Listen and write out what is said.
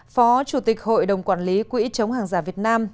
phó chủ tịch hội đồng quản lý quỹ chống hàng giả việt nam